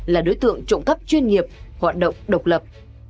là đối tượng trộm cắp chuyên nghiệp hoạt động độc lập